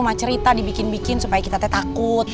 mah cerita dibikin bikin supaya kita takut